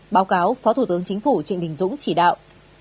báo cáo phó thủ tướng chính phủ trịnh đình dũng chỉ đạo